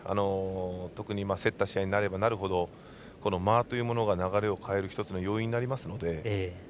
特に競った試合になればなるほど間というものが流れを変える１つの要因になりますので。